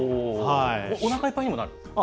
おなかいっぱいにもなる？